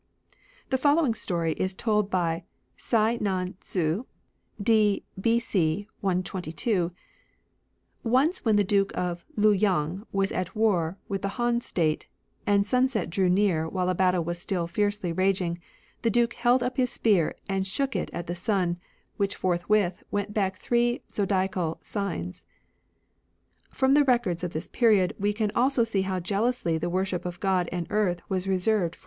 The following story is told by Huai nan Tzu (d. B.C. 122) :—" Once when the Duke of Lu yang was at war with the Han State, and sunset drew near while a battle was still fiercely raging, the Duke held up his spear and shook it at the Sim, which forthwith went back three zodiacal signs." Only the From the records of this period we Emperor can also see how jealously the wor God and ship of God and Earth was reserved Earth.